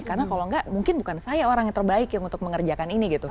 karena kalau nggak mungkin bukan saya orang yang terbaik untuk mengerjakan ini